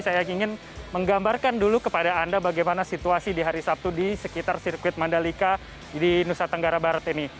saya ingin menggambarkan dulu kepada anda bagaimana situasi di hari sabtu di sekitar sirkuit mandalika di nusa tenggara barat ini